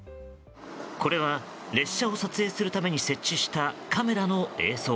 これは列車を撮影するために設置したカメラの映像。